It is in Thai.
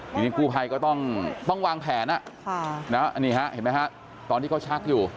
อย่างนี้กู้ไพก็ต้องวางแผนนะแล้วนี่เห็นไหมครับตอนที่เขาชักอยู่